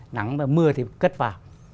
nắng và mưa thì cất vào